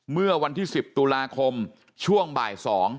เมื่อวันที่๑๐ตุลาคมช่วงบ่าย๒